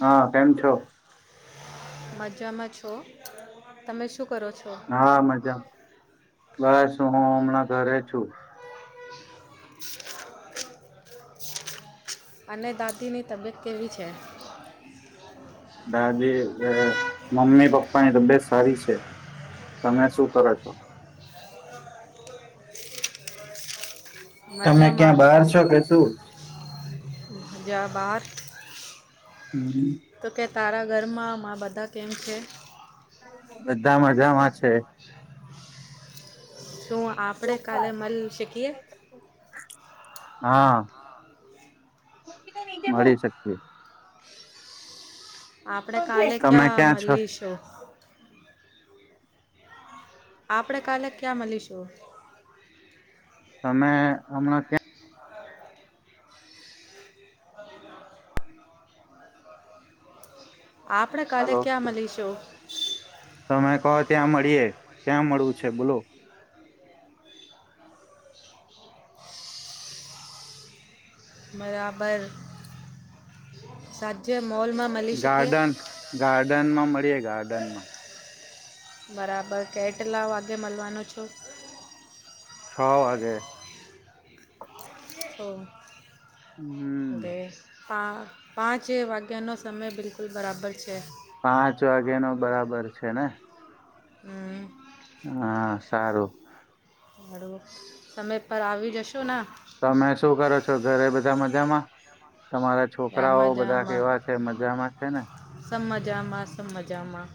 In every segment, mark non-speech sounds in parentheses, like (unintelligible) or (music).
હા કેમ છો મજામાં છો તમે શું કરો છો હા મજા બસ હું હમણાં ઘરે છું (inaudible) અને દાદીની તબિયત કેવી છે દાદી મમ્મી પપ્પાની તો બેસ્ટ સારી છે તમે શું કરો છો તમે મજામાં ક્યાં બહાર છો કે શું. જિ હા બાર હમ. તો કે તારા ઘરમાં મા બધા કેમ છે. બધા મજા માં છે. તો આપણે કાલે મળી શકીએ. હા મળી શકીએ. આપણે શકીએ કાલે તમે ક્યાં છો મલી શું? આપણે કાલે ત્યાં મલી શું. તમે હમણાં ક્યાં (inaudible) (unintelligible) આપણે કાલે હાલો ત્યાં મલીશું. તમે કહો ત્યાં મળીએે ક્યાં મળવું છે બોલો. બરાબર સાજે મોલમાં મલી શકીએ. ગાર્ડન માં મળીએે ગાર્ડન માં. બરાબર કેટલા વાગે મલવાનો છો. છ વાગે. હો. હમ. (unintelligible) પાં પાંચે વાગ્યાનો સમય બિલકુલ બરાબર છે. પાંચ વાગે નો બરાબર છે ને હમ હાં સારું. હળું તમે પર આવી જશો ના તમે શું કરો છો ઘરે બધા મજામાં તમારા આ છોકરાઓ બધા કેવા છે મજામાં છે ને સ મજામાં સબ મજામાં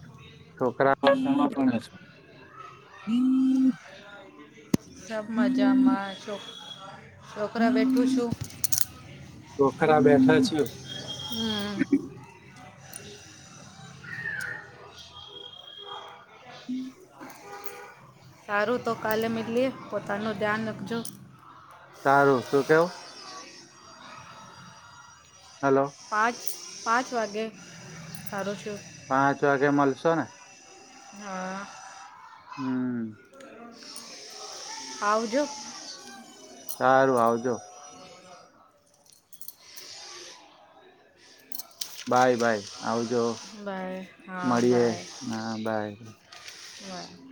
છોકરા (unintelligible) સબ મજામાં શો. (unintelligible) છોકરા બેઠા છીયે. હમ. સારું તો કાલે મિલીએ પોતાનું ધ્યાન રાખજો. સારું શું કેવું. હલો. પાંચ પાંચ વાગે (unintelligible) પાંચ વાગે મલશો ને હાં હં આવજો. સારું આવજો. બાય બાય આવજો બાય મળીએ બાય હાં બાય. હા.